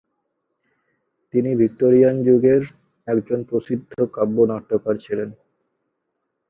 তিনি ভিক্টোরিয়ান যুগের একজন প্রসিদ্ধ কাব্য-নাট্যকার ছিলেন।